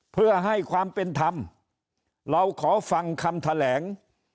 เพื่อให้ความเป็นธรรมเราขอฟังคำแถลง